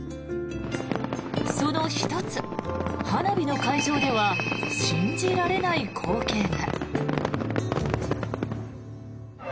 その１つ、花火の会場では信じられない光景が。